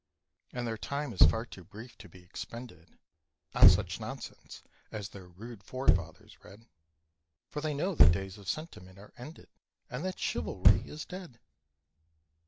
And their time is far too brief to be expended On such nonsense as their "rude forefathers" read; For they know the days of sentiment are ended, And that Chivalry is dead!